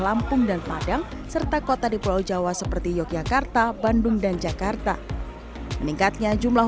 lampung dan padang serta kota di pulau jawa seperti yogyakarta bandung dan jakarta meningkatnya jumlah